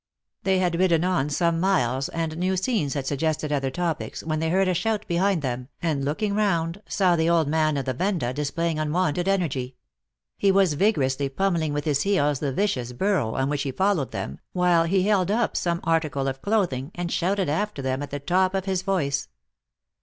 They had ridden on some miles, and new scenes had suggested other topics, when they heard a shout be hind them, and, looking round, saw the old man of the Venda displaying unwonted energy. He was vigorously pummeling with his heels the vicious burro on which he followed them, while he held up some article of clothing, and shouted after them at the top of his voice.